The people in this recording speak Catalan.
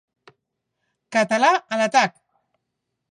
Català, a l'atac!